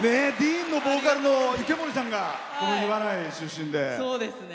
ＤＥＥＮのボーカルの池森さんが、岩内出身で。